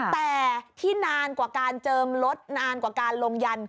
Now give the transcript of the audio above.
แต่ที่นานกว่าการเจิมรถนานกว่าการลงยัน